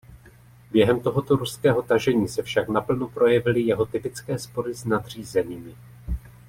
Během tohoto ruského tažení se však naplno projevily jeho typické spory s nadřízenými.